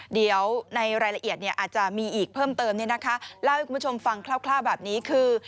เดี๋ยวในรายละเอียดเนี่ยอาจจะมีอีกเพิ่มเติมเนี่ยนะคะเล่าให้คุณผู้ชมฟังคร่าวแบบนี้คือ